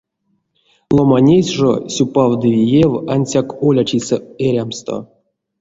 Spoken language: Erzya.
Ломанесь жо сюпав ды виев ансяк олячисэ эрямсто.